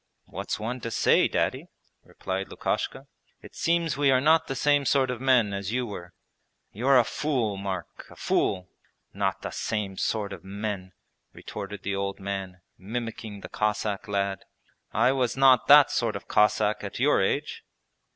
'What's one to say. Daddy?' replied Lukashka. 'It seems we are not the same sort of men as you were.' 'You're a fool. Mark, a fool! "Not the same sort of men!"' retorted the old man, mimicking the Cossack lad. 'I was not that sort of Cossack at your age.'